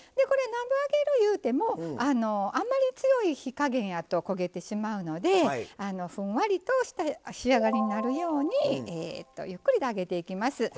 これなんぼ揚げるいうてもあんまり強い火加減やと焦げてしまうのでふんわりとした仕上がりになるようにゆっくりと揚げていきます。